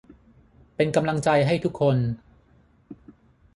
เป็นกำลังใจให้ทุกคน